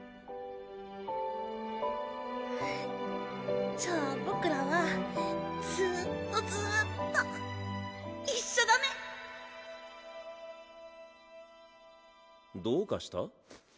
ふふっじゃあ僕らはずっとずっと一緒だねどうかした？